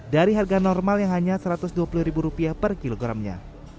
dari harga normal yang hanya rp satu ratus dua puluh per kilogramnya